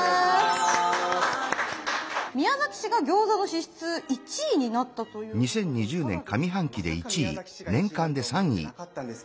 宮崎市が餃子の支出１位になったということでいかがですか？